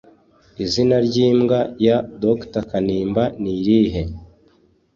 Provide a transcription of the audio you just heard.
Izina ry'imbwa ya Dr kanimba nirihe